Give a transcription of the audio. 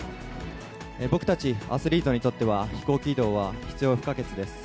僕たちアスリートにとっては、飛行機移動は必要不可欠です。